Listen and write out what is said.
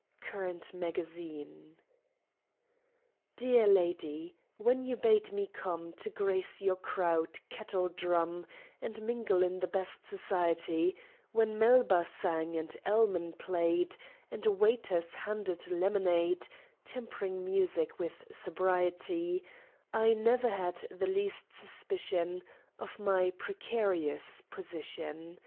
Current Magazine.] Dear Lady, When you bade me come To grace your crowded "Kettledrum," And mingle in the best society; When Melba sang, and Elman played, And waiters handed lemonade (Tempering music with sobriety), I never had the least suspicion Of my precarious position.